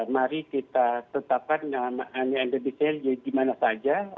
mari kita tetapkan nama nama endemisnya di mana saja